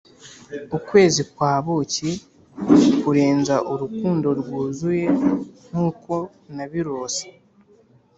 ukwezi kwa buki: kurenza urukundo rwuzuye, nkuko nabirose